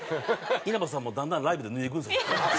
稲葉さんもだんだんライブで脱いでいくんですよ。